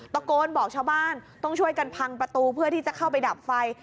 ตะโกนบอกชาวบ้านต้องช่วยกันพังประตูเพื่อที่จะเข้าไปดับไฟ